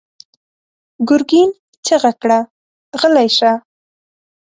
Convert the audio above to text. ګرګين چيغه کړه: غلی شه!